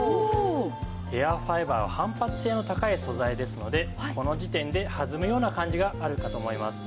エアファイバーは反発性の高い素材ですのでこの時点で弾むような感じがあるかと思います。